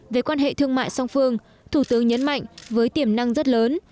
về quan hệ thương mại song phương thủ tướng nhấn mạnh với tiềm năng rất lớn